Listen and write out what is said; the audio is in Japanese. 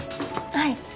はい。